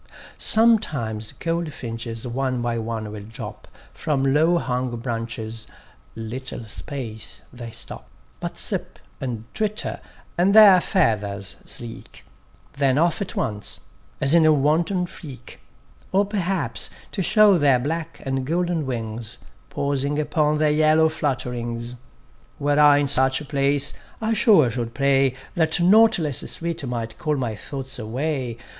Sometimes goldfinches one by one will drop From low hung branches; little space they stop; But sip, and twitter, and their feathers sleek: Then off at once, as in a wanton freak: Or perhaps, to show their black, and golden wings, Pausing upon their yellow flutterings. Were I in such a place, I sure should pray That nought less sweet, might call my thoughts away.